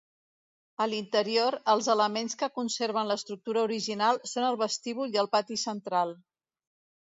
A l'interior, els elements que conserven l'estructura original són el vestíbul i el pati central.